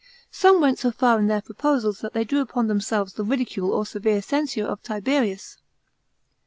Some went so far in their proposals that they drew upon themselves the ridicule or severe censure of Tiberius.